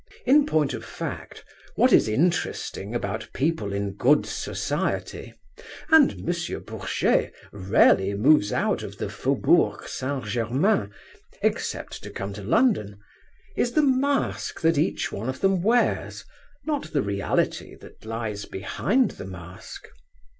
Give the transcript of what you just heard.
In point of fact what is interesting about people in good society—and M. Bourget rarely moves out of the Faubourg St. Germain, except to come to London,—is the mask that each one of them wears, not the reality that lies behind the mask.